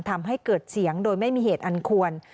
ทำให้เกิดเสียงโดยไม่มีเหตุอันควร